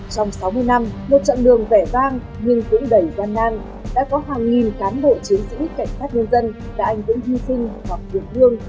trong sáu mươi năm một trận đường vẻ vang nhưng cũng đầy gian nan đã có hàng nghìn cán bộ chiến sĩ cảnh sát nhân dân đã ảnh vững hy sinh hoặc thiệt thương